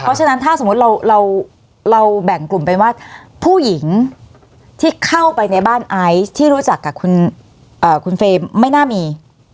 เพราะฉะนั้นถ้าสมมุติเราแบ่งกลุ่มเป็นว่าผู้หญิงที่เข้าไปในบ้านไอซ์ที่รู้จักกับคุณเฟรมไม่น่ามี